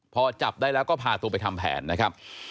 พอจับได้แล้วก็พาตัวไปทำแผนนะครับ